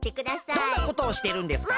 どんなことをしてるんですか？